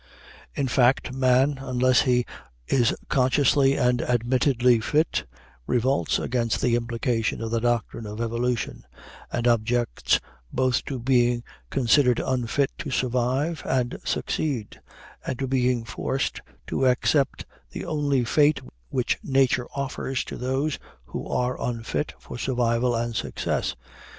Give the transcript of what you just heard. In fact, man, unless he is consciously and admittedly fit, revolts against the implication of the doctrine of evolution, and objects both to being considered unfit to survive and succeed, and to being forced to accept the only fate which nature offers to those who are unfit for survival and success.